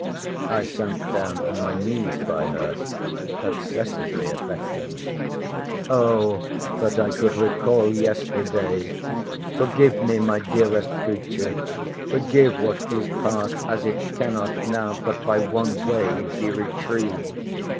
I sunk down on my knees by her, excessively affecting—O that I could recall yesterday!—Forgive me, my dearest creature, forgive what is past, as it cannot now, but by one way, be retrieved.